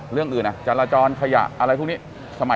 เรื่องอื่นจราจรขยะอะไรพวกนี้